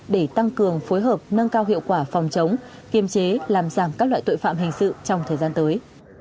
để tăng cường phối hợp nâng cao hiệu quả phòng chống kiềm chế làm giảm các loại tội phạm hình sự trong thời gian tới